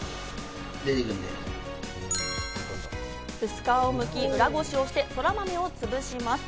薄皮をむき、裏ごしをして、そらまめをつぶします。